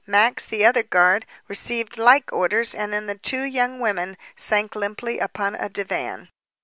Max, the other guard, received like orders and then the two young women sank limply upon a divan.